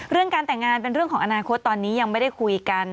การแต่งงานเป็นเรื่องของอนาคตตอนนี้ยังไม่ได้คุยกัน